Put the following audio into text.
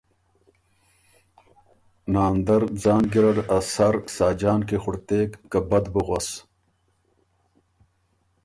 ناندر ځان ګیرډ ا سر ساجان کی خُړتېک که بد بُو غوَس۔